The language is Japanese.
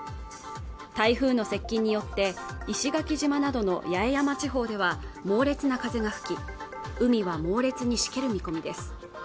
台風の接近によって石垣島などの八重山地方では猛烈な風が吹き海は猛烈にしける見込みです